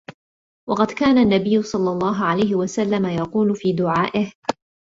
وَقَدْ كَانَ النَّبِيُّ صَلَّى اللَّهُ عَلَيْهِ وَسَلَّمَ يَقُولُ فِي دُعَائِهِ